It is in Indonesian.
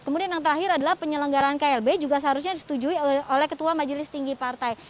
kemudian yang terakhir adalah penyelenggaran klb juga seharusnya disetujui oleh ketua majelis tinggi partai